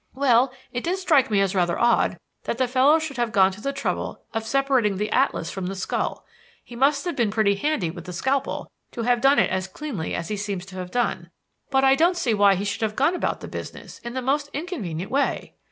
"Well, it did strike me as rather odd that the fellow should have gone to the trouble of separating the atlas from the skull. He must have been pretty handy with the scalpel to have done it as cleanly as he seems to have done; but I don't see why he should have gone about the business in the most inconvenient way."